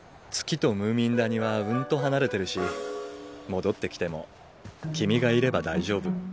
月とムーミン谷はうんと離れてるし戻ってきても君がいれば大丈夫。